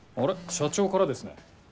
社長からですね。